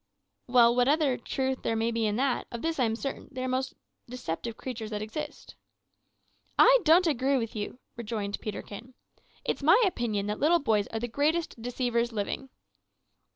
"Well, whatever truth there may be in that, of this I am certain, they are the most deceptive creatures that exist." "I don't agree with you," rejoined Peterkin. "It's my opinion that little boys are the greatest deceivers living."